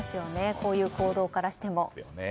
こういう行動からしても。